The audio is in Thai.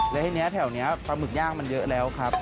แล้วทีนี้แถวนี้ปลาหมึกย่างมันเยอะแล้วครับ